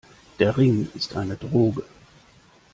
Der Ring ist eine Droge.